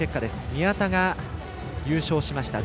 宮田が優勝しました。